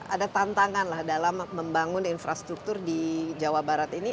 ada tantangan lah dalam membangun infrastruktur di jawa barat ini